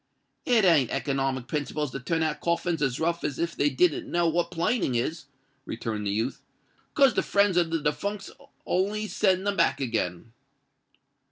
"It ain't economic principles to turn out coffins as rough as if they didn't know what planing is," returned the youth; "'cause the friends of the defuncks'll only send them back again."